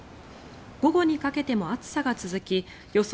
午後にかけても暑さが続き予想